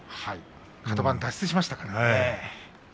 カド番脱出しましたからね。